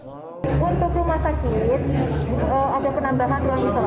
untuk rumah sakit ada penambahan ruang isolasi